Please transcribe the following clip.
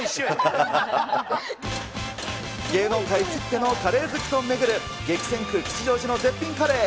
芸能界きってのカレー好きと巡る、激戦区、吉祥寺の絶品カレー。